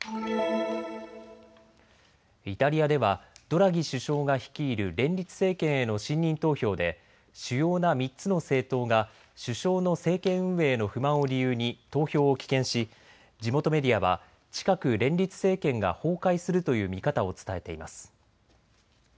イタリアではドラギ首相が率いる連立政権への信任投票で主要な３つの政党が首相の政権運営への不満を理由に投票を棄権し、地元メディアは近く連立政権が崩壊するという見方を伝えています。